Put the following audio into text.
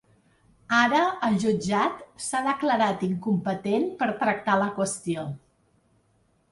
Ara el jutjat s’ha declarat incompetent per tractar la qüestió.